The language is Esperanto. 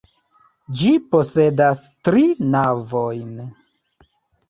Ĝi posedas tri navojn.